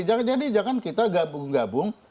jadi jangan kita gabung gabung